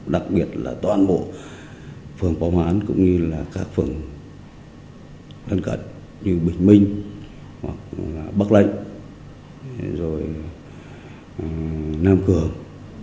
đặc biệt là toàn bộ phường bóng hán cũng như là các phường gần gần như bình minh bắc lệnh nam cường